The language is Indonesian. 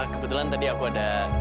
kebetulan tadi aku ada